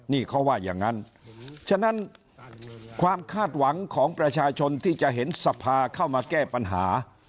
นี่เขาว่าอย่างนั้นฉะนั้นความคาดหวังของประชาชนที่จะเห็นสภาเข้ามาแก้ปัญหา